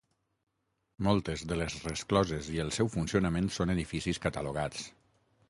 Moltes de les rescloses i el seu funcionament són edificis catalogats.